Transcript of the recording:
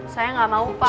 saya gak mau pak